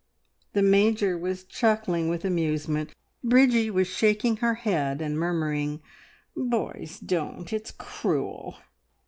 The Major was chuckling with amusement; Bridgie was shaking her head, and murmuring, "Boys, don't! It's cruel!"